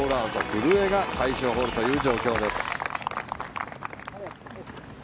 古江が最終ホールという状況です。